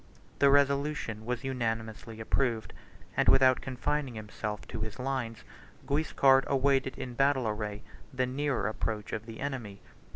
The resolution was unanimously approved; and, without confining himself to his lines, Guiscard awaited in battle array the nearer approach of the enemy.